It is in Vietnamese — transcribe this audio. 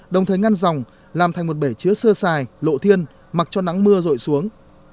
đồng thời ngăn dòng làm thành một bể chứa sơ sài lộ thiên mặc cho nắng mưa rội xuống